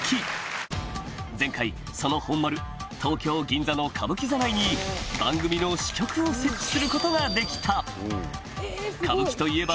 前回その本丸東京・銀座の歌舞伎座内に番組の支局を設置することができた歌舞伎といえば